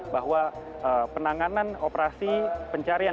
bahwa penanganan operasi pencarian